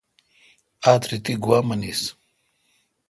آتری تی گوا منیس۔